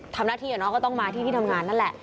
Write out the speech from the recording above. เราก็ต้องมาที่ที่ทำงานนั่นแหละ